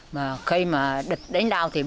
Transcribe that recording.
mà khi mà